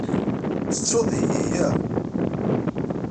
Tettuḍ-iyi ya?